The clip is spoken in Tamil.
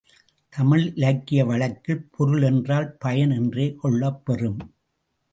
தமிழிலக்கிய வழக்கில் பொருள் என்றால் பயன் என்றே கொள்ளப் பெறும்.